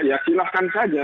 ya silahkan saja